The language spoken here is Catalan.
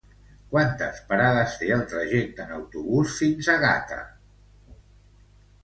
Quantes parades té el trajecte en autobús fins a Gata de Gorgos?